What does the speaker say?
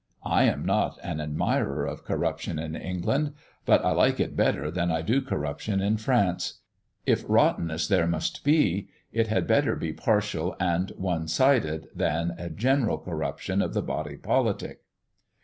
I am not an admirer of corruption in England; but I like it better than I do corruption in France. If rottenness there must be, it had better be partial and one sided, than a general corruption of the body politic.